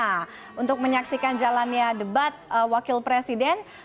nah untuk menyaksikan jalannya debat wakil presiden